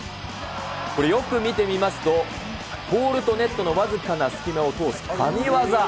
これ、よく見てみますと、ポールとネットの僅かな隙間を通す神技。